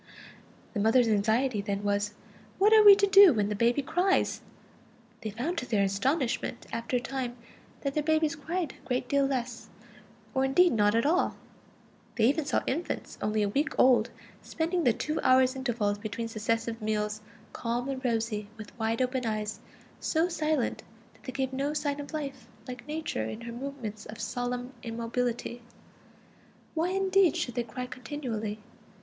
The mothers' anxiety then was: what are we to do when the baby cries? They found to their astonishment after a time that their babies cried a great deal less, or indeed not at all; they even saw infants only a week old spending the two hours' intervals between successive meals calm and rosy, with wide open eyes, so silent that they gave no sign of life, like Nature in her moments of solemn immobility. Why indeed should they cry continually?